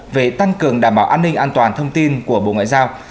về tăng cường đảm bảo an ninh an toàn thông tin của bộ ngoại giao